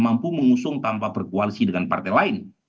mampu mengusung tanpa berkoalisi dengan partai lain